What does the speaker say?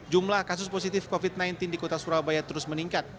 jumlah kasus positif covid sembilan belas di kota surabaya terus meningkat